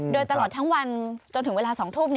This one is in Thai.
โดยตลอดทั้งวันจนถึงเวลา๒ทุ่ม